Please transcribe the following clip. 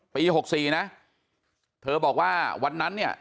ปี๖๔นะเธอบอกว่าวันนั้นเนี่ย